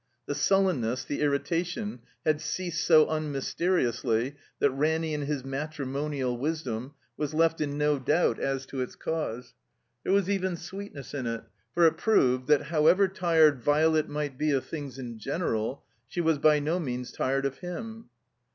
The sullenness, the irritation had ceased so unmysteriously that Ranny in his matrimonial wisdom was left in no doubt as to its cause. There was even sweetness in it, for it proved that, however tired Violet might be of things in general, she was by no means tired of him.